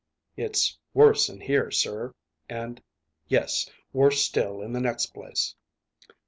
"It's worse in here, sir, and yes, worse still in the next place."